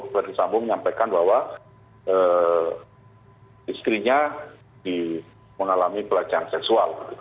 verdi sambo menyampaikan bahwa istrinya mengalami pelecehan seksual